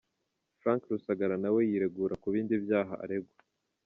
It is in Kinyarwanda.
Frank Rusagara na we yiregura ku bindi byaha aregwa.